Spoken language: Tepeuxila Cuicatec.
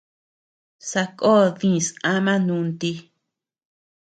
Sakó dïs ama nunti.